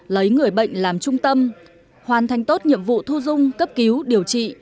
lấy người bệnh làm trung tâm hoàn thành tốt nhiệm vụ thu dung cấp cứu điều trị